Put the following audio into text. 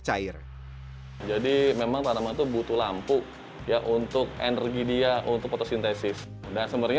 cair jadi memang tantebutu lampu ya untuk energi dia untuk fotosintesis dan sebenarnya